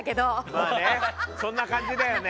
まあねそんな感じだよね。